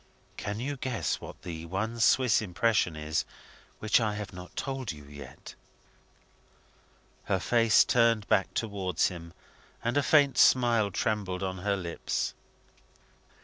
"Can you guess what the one Swiss impression is which I have not told you yet?" Her face turned back towards him, and a faint smile trembled on her lips.